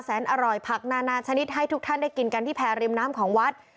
อร่อยผักนานาชนิดให้ทุกท่านได้กินกันที่แพรริมน้ำของวัด